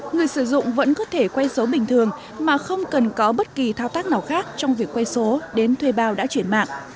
người sử dụng vẫn có thể quay số bình thường mà không cần có bất kỳ thao tác nào khác trong việc quay số đến thuê bao đã chuyển mạng